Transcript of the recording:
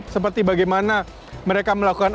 seperti bagaimana mereka melakukan